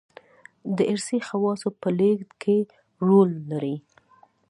دارثي خواصو په لېږد کې رول لري.